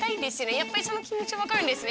やっぱりその気持ち分かるんですね。